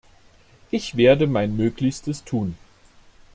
Ich werde mein Möglichstes tun.